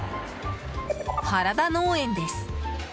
原田農園です。